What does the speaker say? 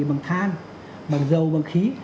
bằng than bằng dầu bằng khí